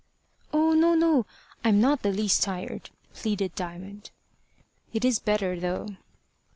"Oh, no, no. I'm not the least tired," pleaded Diamond. "It is better, though."